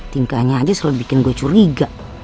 tingkahnya aja selalu bikin gue curiga